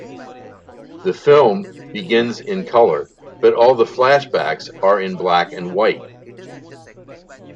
The film begins in color, but all the flashbacks are in black and white.